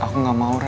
aku gak mau ra